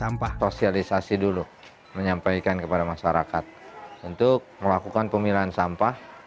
sampah sosialisasi dulu menyampaikan kepada masyarakat untuk melakukan pemilahan sampah